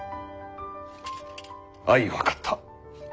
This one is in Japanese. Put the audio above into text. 相分かった。